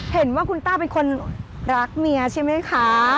เห็นว่าคุณต้าเป็นคนรักเมียใช่ไหมคะ